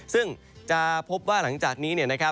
ซึ่งจะพบว่าหลังจากนี้